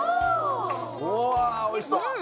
うわーおいしそう！